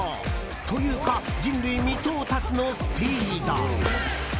というか人類未到達のスピード。